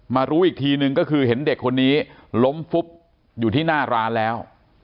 รู้อีกทีนึงก็คือเห็นเด็กคนนี้ล้มฟุบอยู่ที่หน้าร้านแล้ว